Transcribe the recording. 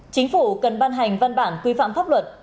chính phủ cần ban hành văn bản quy phạm pháp luật